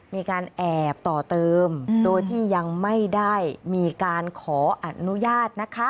มีการแอบต่อเติมโดยที่ยังไม่ได้มีการขออนุญาตนะคะ